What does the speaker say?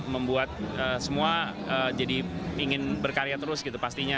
membuat semua jadi ingin berkarya terus gitu pastinya